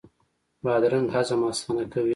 بادرنګ هضم اسانه کوي.